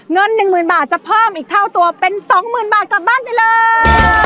เงิน๑๐๐๐บาทจะเพิ่มอีกเท่าตัวเป็น๒๐๐๐บาทกลับบ้านไปเลย